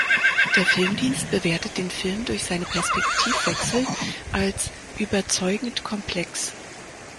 Der Filmdienst bewertet den Film durch seine Perspektivwechsel als „"überzeugend komplex"“.